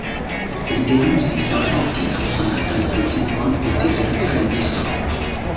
Li eluzis jam tiam konatan principon de cifereca registro.